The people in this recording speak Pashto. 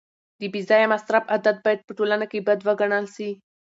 د بې ځایه مصرف عادت باید په ټولنه کي بد وګڼل سي.